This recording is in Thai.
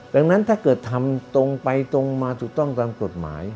ดังนั้นถ้าเกิดทำตรงไปตรงมาถูกต้องตามกฎหมาย